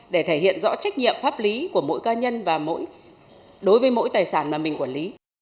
để thể hiện rõ trách nhiệm pháp lý của mỗi ca nhân và đối với mỗi tài sản mà mình quản lý